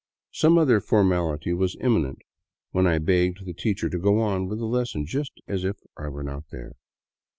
Some other formality was imminent when I begged the teacher to go on with the lesson just as if I were not there.